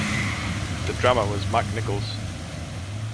The drummer was Mike Nicholls.